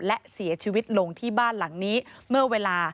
และเสียชีวิตลงที่บ้านหลังนี้เมื่อเวลา